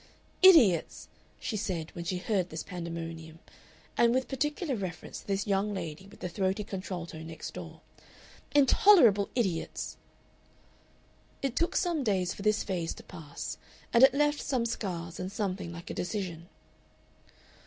"Idiots!" she said, when she heard this pandemonium, and with particular reference to this young lady with the throaty contralto next door. "Intolerable idiots!..." It took some days for this phase to pass, and it left some scars and something like a decision.